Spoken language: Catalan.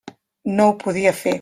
No ho podia fer.